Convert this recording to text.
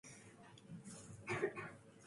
Other publishers were still declining to publish it.